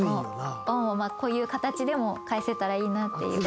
こういう形でも返せたらいいなっていう。